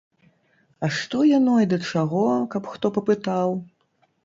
А што яно і да чаго, каб хто папытаў.